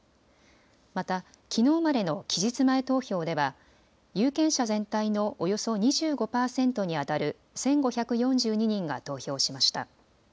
またきのうまでの期日前投票では有権者全体のおよそ２５％にあたる１５４２人が投票しました。